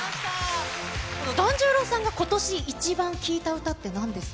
團十郎さんが今年イチバン聴いた歌ってなんですか？